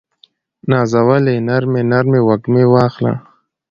نازولې نرمې، نرمې وږمې واخله